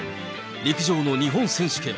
陸上の日本選手権。